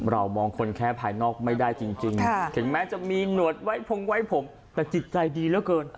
เรามองคนแค่ภายนอกไม่ได้จริงถึงแม้จะมีหนวดไว้พงไว้ผมแต่จิตใจดีเหลือเกิน